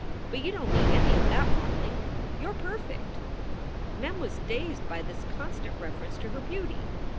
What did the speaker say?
But you don t need any of that modeling. You re perfect." Mem was dazed by this constant reference to her beauty.